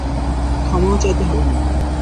ক্ষমাও চাইতে হবে না।